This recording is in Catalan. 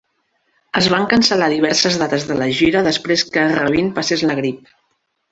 Es van cancel·lar diverses dates de la gira després que Rabin passés la grip.